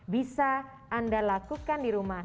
bisa anda lakukan di rumah